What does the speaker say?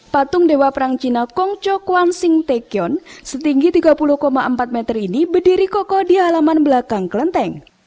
patung dewa perang cina kong cho kwan sing tekion setinggi tiga puluh empat meter ini berdiri kokoh di halaman belakang kelenteng